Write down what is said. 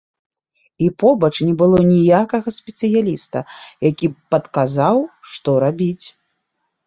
І побач не было ніякага спецыяліста, які б падказаў, што рабіць.